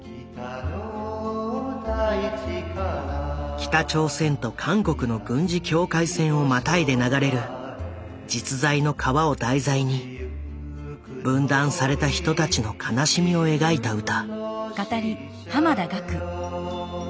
北朝鮮と韓国の軍事境界線をまたいで流れる実在の川を題材に分断された人たちの悲しみを描いた歌。